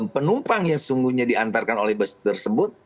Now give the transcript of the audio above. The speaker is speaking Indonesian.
penumpang yang sungguhnya diantarkan oleh bus tersebut